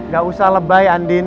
gak usah lebay andi